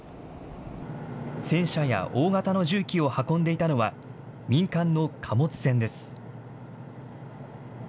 戦車や大型の重機を運んでいたのは、民間の貨物船です。